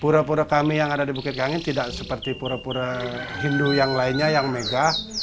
pura pura kami yang ada di bukit kangen tidak seperti pura pura hindu yang lainnya yang megah